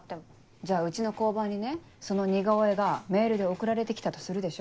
じゃあうちの交番にねその似顔絵がメールで送られて来たとするでしょ。